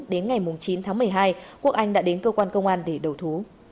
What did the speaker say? đến ngày chín tháng một mươi hai quốc anh đã đến cơ quan công an để đầu thú